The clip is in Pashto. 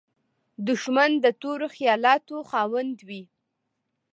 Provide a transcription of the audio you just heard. دښمن د تورو خیالاتو خاوند وي